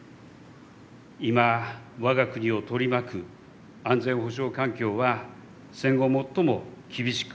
今、我が国を取り巻く安全保障環境は、戦後最も厳しく